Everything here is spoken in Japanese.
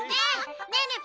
ねえねえ